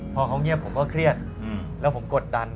พอเขาเงียบผมก็เครียดแล้วผมกดดัน